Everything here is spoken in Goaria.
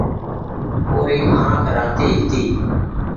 او ري آنک راتي هيتي